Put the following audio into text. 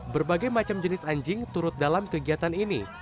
berbagai macam jenis anjing turut dalam kegiatan ini